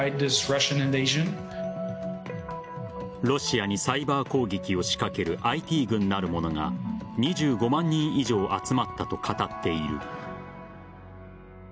ロシアにサイバー攻撃を仕掛けるＩＴ軍なるものが２５万人以上集まったと語っている。